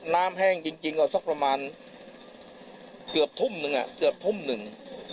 น้ำแห้งจริงก็สักประมาณเกือบทุ่มหนึ่ง